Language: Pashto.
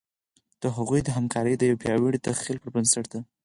د هغوی همکاري د یوه پیاوړي تخیل پر بنسټ ده.